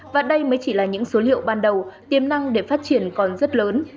và đây mới chỉ là những số liệu ban đầu tiềm năng để phát triển còn rất lớn